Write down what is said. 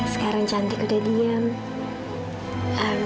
sekarang cantik udah diam